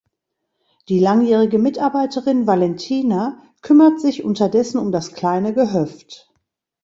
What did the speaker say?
Die langjährige Mitarbeiterin Valentina kümmert sich unterdessen um das kleine Gehöft.